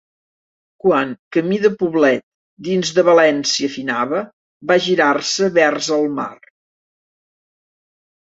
Quan, camí de Poblet, dins de València finava, va girar-se vers el mar.